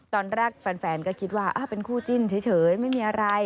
ตอนแรกแฟนก็คิดว่าเป็นคู่จิ้นเฉยไม่มีอะไร